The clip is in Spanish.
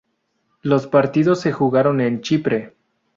Los partidos se jugaron en Chipre.